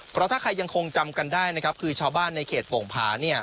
เพราะถ้าใครยังคงจำกันได้นะครับคือชาวบ้านในเขตโป่งผา